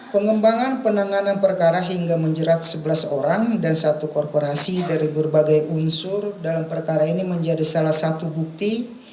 pengembangan penanganan perkara hingga menjerat sebelas orang dan satu korporasi dari berbagai unsur dalam perkara ini menjadi salah satu bukti